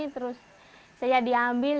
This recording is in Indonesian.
terus saya diambil